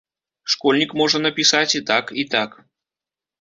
Школьнік можа напісаць і так, і так.